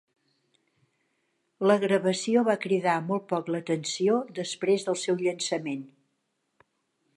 La gravació va cridar molt poc l'atenció després del seu llançament.